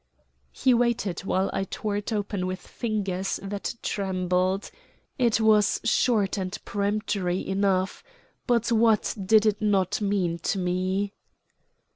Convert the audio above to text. He waited while I tore it open with fingers that trembled. It was short and peremptory enough, but what did it not mean to me?